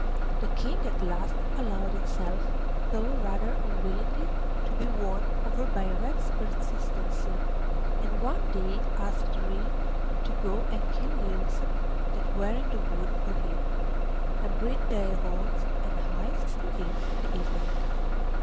The King at last allowed himself, though rather unwillingly, to be won over by Red's persistency, and one day asked Ring to go and kill the oxen that were in the wood for him, and bring their horns and hides to him in the evening.